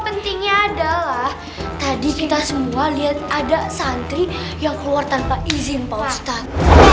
pentingnya adalah tadi kita semua lihat ada santri yang keluar tanpa izin perawatan